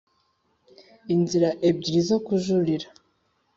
inzira ebyiri zo kujurira.